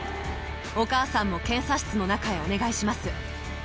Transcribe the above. お母さんも検査室の中へお願いします。